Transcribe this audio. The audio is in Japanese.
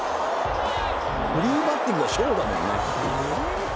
フリーバッティングがショーだもんね。